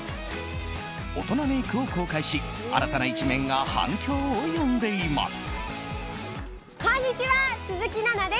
大人メイクを公開し新たな一面が反響を呼んでいます。